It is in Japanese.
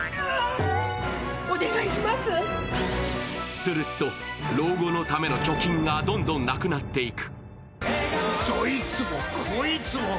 すると、老後のための貯金がどんどんなくなっていく。